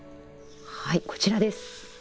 はいこちらです。